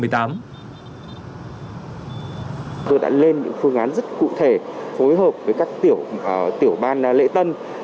tôi đã lên những phương án rất cụ thể phối hợp với các tiểu ban lễ tân